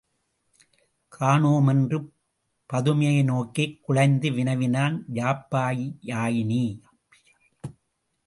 காணோம்! என்று பதுமையை நோக்கிக் குழைந்து வினவினாள் யாப்பியாயினி.